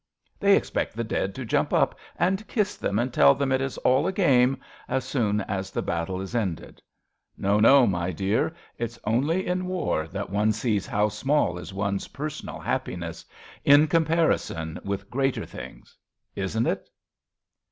They expect the dead to jump up and kiss them and tell them it is all a game, as soon as the battle is ended. No, no, my dear ; it's only in war that one sees how small is one's personal happi ness in comparison with greater things. Isn't it?